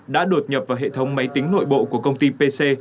đã đột nhập vào hệ thống máy tính nội bộ của công ty pc